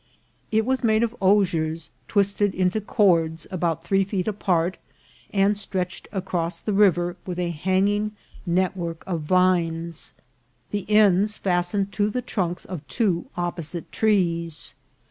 It was made of oziers twisted into cords, about three feet apart, and stretch ed across the river with a hanging network of vines, the ends fastened to the trunks of two opposite trees.